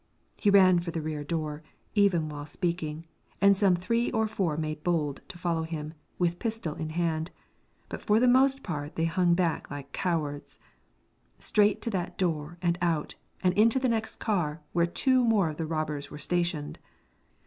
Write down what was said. He ran for the rear door, even while speaking, and some three or four made bold to follow him, with pistol in hand, but for the most part they hung back like cowards. Straight to that door, and out, and into the next car, where two more of the robbers were stationed.